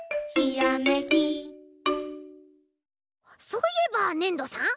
そういえばねんどさん？